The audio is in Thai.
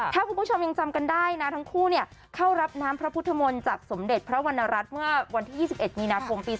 ถ้าคุณผู้ชมยังจำกันได้นะทั้งคู่เข้ารับน้ำพระพุทธมนต์จากสมเด็จพระวรรณรัฐเมื่อวันที่๒๑มีนาคมปี๒๕